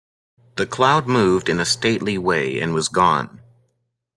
The cloud moved in a stately way and was gone.